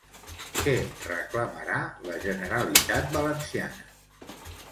Què reclamarà la Generalitat Valenciana?